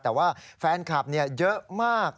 แต่ว่าแฟนคลับเยอะมาก